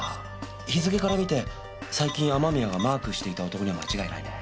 日付から見て最近雨宮がマークしていた男には間違いないね。